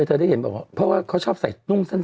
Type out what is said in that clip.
เธอเห็นแล้วเพราะว่าเขาชอบใส่นุ่งสั้น